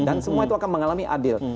dan semua itu akan mengalami adil